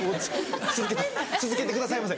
続けて続けてくださいませ。